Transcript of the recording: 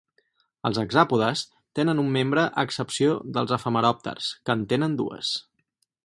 Els hexàpodes tenen un membre a excepció dels efemeròpters que en tenen dues.